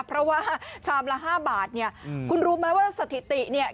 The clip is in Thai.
เพราะว่าชามละ๕บาทคุณรู้ไหมว่าสถิติ